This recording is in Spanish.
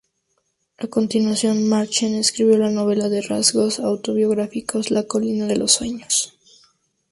A continuación Machen escribió la novela con rasgos autobiográficos "La colina de los sueños".